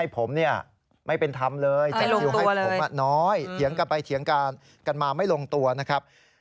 ผมน้อยเดี๋ยวกลับไปเถียงกันกันมาไม่ลงตัวนะครับ